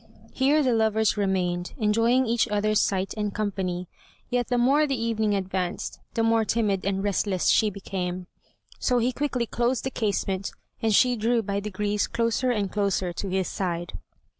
Here the lovers remained, enjoying each other's sight and company, yet the more the evening advanced, the more timid and restless she became, so he quickly closed the casement, and she drew by degrees closer and closer to his side.